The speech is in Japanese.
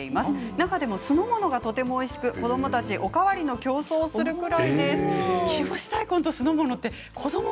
中でも酢の物がとてもおいしく子どもたちはお代わりの競争をするくらいです。